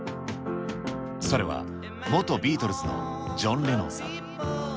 それは元ビートルズのジョン・レノンさん。